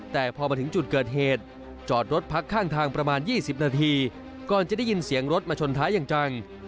แต่พอมาถึงจุดเกิดเหตุจอดรถพักข้างทางประมาณ๒๐นาทีก่อนจะได้ยินเสียงรถมาชนท้ายอย่างจัง